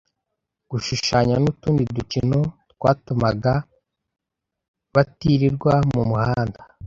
Gushushanya n’utundi dukino twatumaga batirirwa mu muhanda